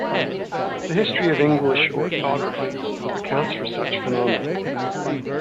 The history of English orthography accounts for such phenomena.